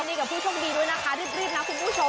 ดีกับผู้โชคดีด้วยนะคะรีบนะคุณผู้ชม